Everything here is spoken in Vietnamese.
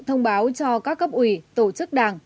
thông báo cho các cấp ủy tổ chức đảng